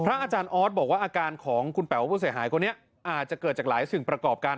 อาจารย์ออสบอกว่าอาการของคุณแป๋วผู้เสียหายคนนี้อาจจะเกิดจากหลายสิ่งประกอบการ